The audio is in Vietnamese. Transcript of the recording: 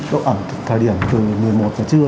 độ ẩm thời điểm từ một mươi một h trưa